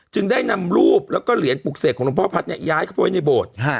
ได้นำรูปแล้วก็เหรียญปลูกเสกของหลวงพ่อพัฒน์ย้ายเข้าไปในโบสถ์